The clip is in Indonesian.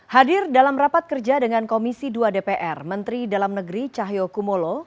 hadir dalam rapat kerja dengan komisi dua dpr menteri dalam negeri cahyokumolo